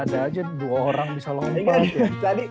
ada aja dua orang bisa ngomong